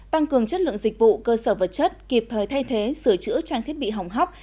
tăng cường chất lượng dịch vụ cơ sở vật chất kịp thời thay thế sửa chữa trang thiết bị hỏng hóc